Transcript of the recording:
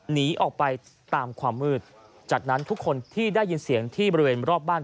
หนีออกไปตามความมืดจากนั้นทุกคนที่ได้ยินเสียงที่บริเวณรอบบ้าน